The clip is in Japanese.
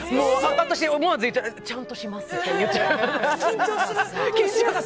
私、思わず言っちゃった、ちゃんとしますって言っちゃった。